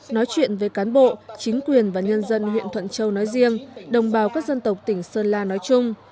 nói chuyện với cán bộ chính quyền và nhân dân huyện thuận châu nói riêng đồng bào các dân tộc tỉnh sơn la nói chung